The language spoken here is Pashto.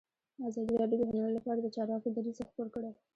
ازادي راډیو د هنر لپاره د چارواکو دریځ خپور کړی.